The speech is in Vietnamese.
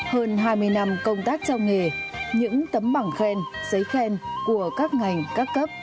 hơn hai mươi năm công tác trao nghề những tấm bảng khen giấy khen của các ngành các cấp